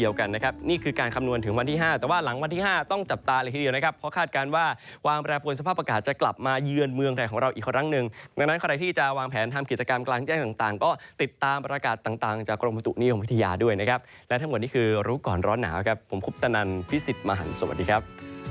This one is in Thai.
ว่าวางแปลปวนสภาพอากาศจะกลับมาเยือนเมืองไทยของเราอีกครั้งหนึ่งดังนั้นเครื่องไหลที่จะวางแผนทำกิจกรรมการติดตามอากาศต่างจากกรมบัตรุหนี้ของพิทยาด้วยนะครับและทั้งหมดนี้คือรู้ก่อนร้อนหนาวครับผมคุพตะนันพี่สิบิ์มาหั่นสวัสดีครับ